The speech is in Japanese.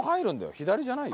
左じゃないよ。